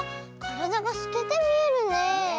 からだがすけてみえるねえ。